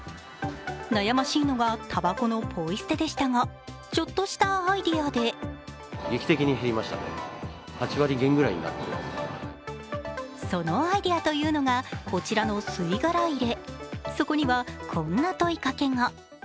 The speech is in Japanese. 悩ましいのがたばこのポイ捨てでしたが、ちょっとしたアイデアでそのアイデアというのがこちらの吸い殻入れ。